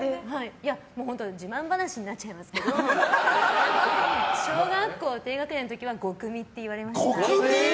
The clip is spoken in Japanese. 自慢話になっちゃいますけど小学校低学年の時はゴクミって言われました。